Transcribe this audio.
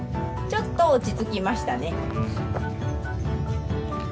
ちょっと落ち着きましたね